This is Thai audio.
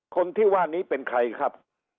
คนที่ว่านี้เป็นใครครับ